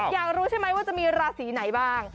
อยากรู้ใช่ไหมว่าจะมีราศีไหนบ้าง